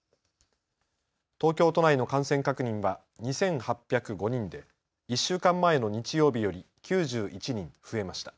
東京都内の感染確認は２８０５人で１週間前の日曜日より９１人増えました。